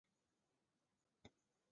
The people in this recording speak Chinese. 它的政治立场是左翼到极左。